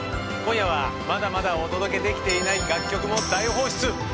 今夜はまだまだお届けできていない楽曲も大放出！